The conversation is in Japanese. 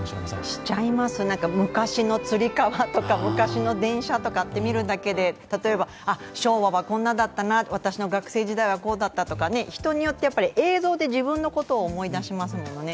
しちゃいます、昔のつり革とか、昔の電車とかって見るだけで、例えば、昭和はこんなだったな、私の学生時代はこうだったとか、人によって映像で自分のことを思いしますもんね。